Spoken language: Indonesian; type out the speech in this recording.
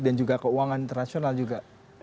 dan juga keuangan internasional juga